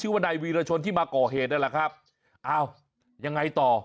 ว่านายวีรชนที่มาก่อเหตุนั่นแหละครับอ้าวยังไงต่อ